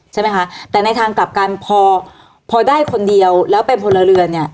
ใช่ไหมคะแต่ในทางกลับกันพอพอได้คนเดียวแล้วเป็นพลเรือนเนี่ย